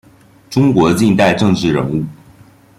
中国近代政治人物。